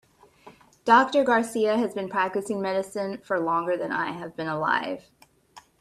Doctor Garcia has been practicing medicine for longer than I have been alive.